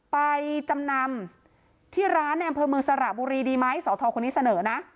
ไปจำนำที่ร้านในอำเภอเมืองสระบุรีดีไหมสอทอคนนี้เสนอนะ